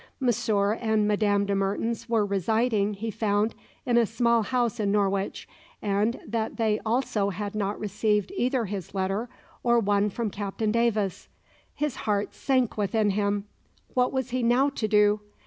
Monsieur and Madame de Mertens were residing, he found, in a small house in Norwich, and they also had not received either his letter or one from Captain Davis. His heart sank within him. What was he now to do?